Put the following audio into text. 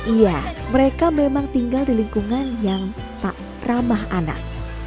iya mereka memang tinggal di lingkungan yang tak ramah anak